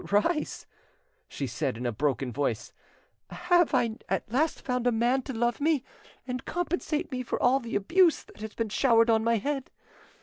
"Rise," she said in a broken voice. "Have I at last found a man to love me and compensate me for all the abuse that has been showered on my head?